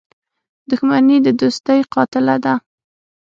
• دښمني د دوستۍ قاتله ده.